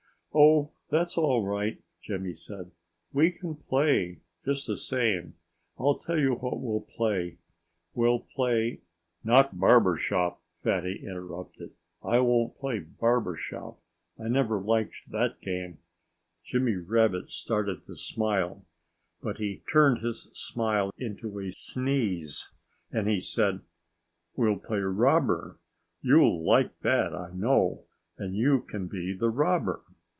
"Oh, that's all right!" Jimmy said. "We can play, just the same. I'll tell you what we'll play. We'll play " "Not barber shop!" Fatty interrupted. "I won't play barber shop, I never liked that game." Jimmy Rabbit started to smile. But he turned his smile into a sneeze. And he said "We'll play robber. You'll like that, I know. And you can be the robber.